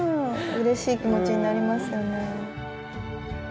うれしい気持ちになりますよね。